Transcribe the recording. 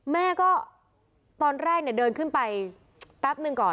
แม่ก็ตอนแรกเนี่ยเดินขึ้นไปแป๊บหนึ่งก่อน